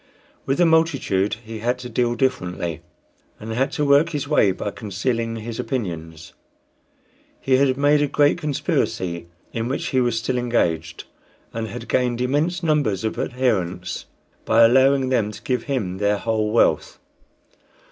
With the multitude he had to deal differently, and had to work his way by concealing his opinions. He had made a great conspiracy, in which he was still engaged, and had gained immense numbers of adherents by allowing them to give him their whole wealth.